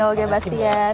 mas rino gebastian